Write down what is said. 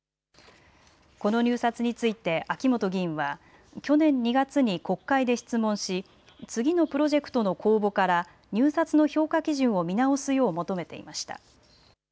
この入札について秋本議員は去年２月に国会で質問し次のプロジェクトの公募から入札の評価基準を見直すよう求めていました。